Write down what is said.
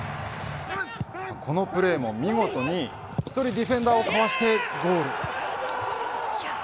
このプレーも見事に１人ディフェンダーをかわしてゴール。